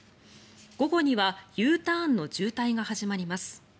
午後にはＵターンの渋滞が始まります。